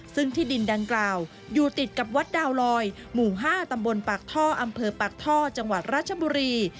ซึ่งที่ดินดังกล่าวอยู่ติดกับวัดดาวลอยหมู่๕ตำบลปากท่ออำเภอปากท่อจังหวัดราชบุรี